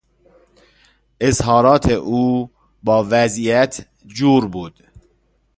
اظهارات او با وضعیت جور بود.